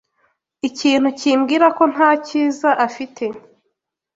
Ikintu kimbwira ko nta cyiza afite.